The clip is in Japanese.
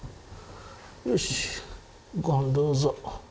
よしごはんどうぞ。